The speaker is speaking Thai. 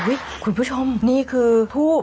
อุ๊ยคุณผู้ชมนี่คือภูป